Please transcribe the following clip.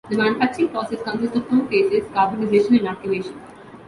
The manufacturing process consists of two phases, carbonization and activation.